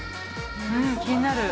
気になる。